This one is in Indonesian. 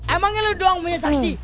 emangnya lu doang punya saksi